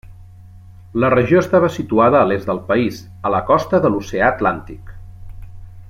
La regió estava situada a l'est del país, a la costa de l'oceà Atlàntic.